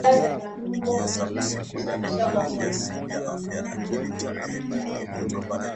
Iran imeamua kusitisha kwa muda mazungumzo yake ya siri yaliyofanywa Baghdad.